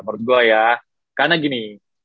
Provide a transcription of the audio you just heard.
menurut gue ya karena gini